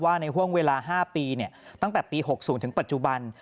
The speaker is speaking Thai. ในห่วงเวลา๕ปีตั้งแต่ปี๖๐ถึงปัจจุบัน